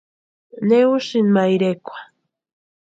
¿Ne úsïni ma irekwa?